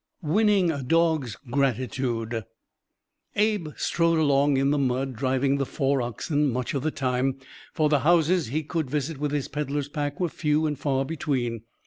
"WINNING A DOG'S GRATITUDE" Abe strode along in the mud, driving the four oxen much of the time, for the houses he could visit with his peddler's pack were few and far between.